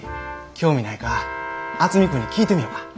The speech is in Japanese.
興味ないか渥美君に聞いてみよか。